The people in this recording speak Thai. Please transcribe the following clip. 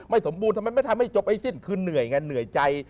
สมบูรณ์ทำไมไม่ทำให้จบไอ้สิ้นคือเหนื่อยไงเหนื่อยใจ